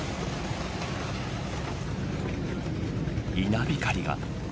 稲光が。